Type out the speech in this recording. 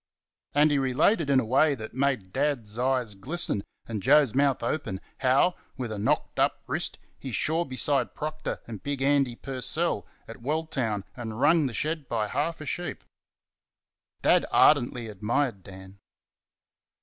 And he related in a way that made Dad's eyes glisten and Joe's mouth open, how, with a knocked up wrist, he shore beside Proctor and big Andy Purcell, at Welltown, and rung the shed by half a sheep. Dad ardently admired Dan.